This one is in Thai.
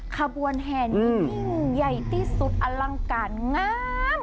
ขบวนแห่นี้ยิ่งใหญ่ที่สุดอลังการงาม